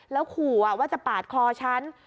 แล้วขู่ว่าจะปาดคอฉัน